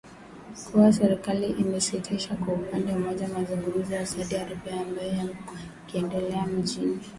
kuwa serikali imesitisha kwa upande mmoja mazungumzo na Saudi Arabia, ambayo yamekuwa yakiendelea mjini Baghdad